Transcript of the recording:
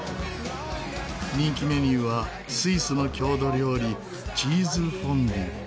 人気メニューはスイスの郷土料理チーズフォンデュ。